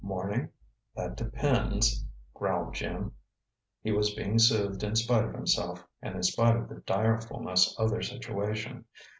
"Morning? That depends," growled Jim. He was being soothed in spite of himself, and in spite of the direfulness of their situation.